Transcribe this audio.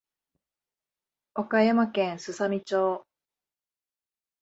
和歌山県すさみ町